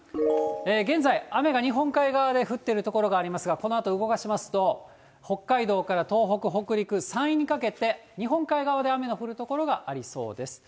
現在、雨が日本海側で降っている所がありますが、このあと動かしますと、北海道から東北、北陸、山陰にかけて、日本海側で雨の降る所がありそうです。